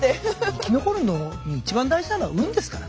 生き残るのに一番大事なのは運ですからね。